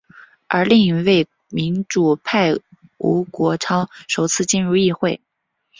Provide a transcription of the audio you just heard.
而另一位民主派吴国昌首次进入议会。